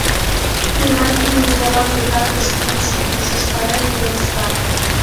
Тымапи Миколан пытартыш мутшым ушештарен пелешта: